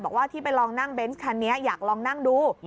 บอกว่าที่ไปลองนั่งเบนส์คันนี้อยากลองนั่งดู